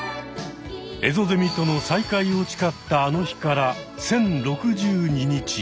エゾゼミとの再会をちかったあの日から１０６２日。